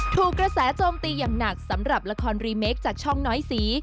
ถูกกระแสโจมตีอย่างหนักสำหรับละครรีเมคจากช่องน้อยสี